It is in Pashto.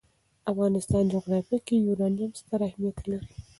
د افغانستان جغرافیه کې یورانیم ستر اهمیت لري.